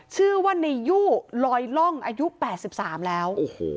ชื่อว่าในยู่ลอยล่องอายุ๘๓แล้ว